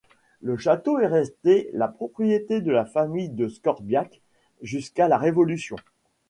Le château est resté la propriété de la famille de Scorbiac jusqu'à la Révolution.